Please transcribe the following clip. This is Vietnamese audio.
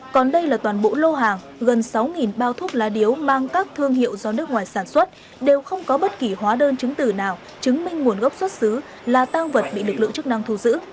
còn đây là toàn bộ lô hàng gần sáu bao thuốc lá điếu mang các thương hiệu do nước ngoài sản xuất đều không có bất kỳ hóa đơn chứng tử nào chứng minh nguồn gốc xuất xứ là tăng vật bị lực lượng chức năng thu giữ